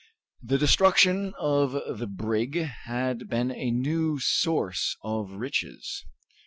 The destruction of the brig had been a new source of riches.